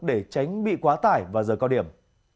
để tránh bị quá tải và rời cao điểm